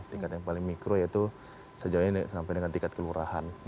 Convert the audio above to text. tingkat yang paling mikro yaitu sejauh ini sampai dengan tingkat kelurahan